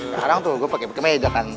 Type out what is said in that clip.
sekarang tuh gue pakai meja kan